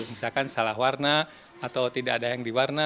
misalkan salah warna atau tidak ada yang diwarna